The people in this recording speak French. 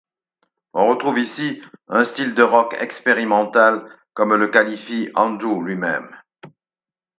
On retrouve ici un style de Rock expérimental comme le qualifie Andrew lui-même.